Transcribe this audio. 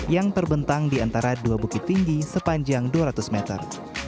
yang terbentang di antara dua bukit tinggi sepanjang dua ratus meter